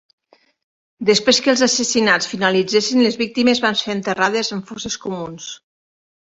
Després que els assassinats finalitzessin, les víctimes van ser enterrades en fosses comuns.